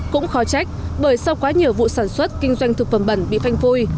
cũng khó trách bởi sau quá nhiều vụ sản xuất kinh doanh thực phẩm bẩn bị phanh phui